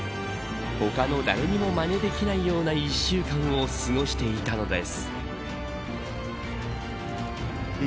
他の誰にも、まねできないような１週間を過ごしていたのです。